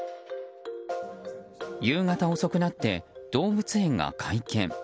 夕方遅くなって動物園が会見。